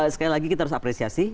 sekali lagi kita harus apresiasi